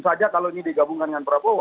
saja kalau ini digabungkan dengan prabowo